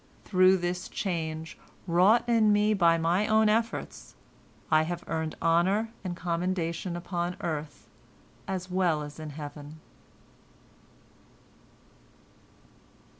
Through this change, wrought in me by my own efforts, I have earned honor and commendation upon earth as well as in heaven."